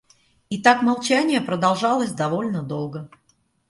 И так молчание продолжалось довольно долго.